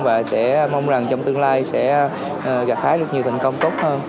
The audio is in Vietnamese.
mình sẽ mong rằng trong tương lai sẽ gạt phá được nhiều thành công tốt hơn